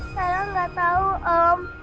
saya gak tau om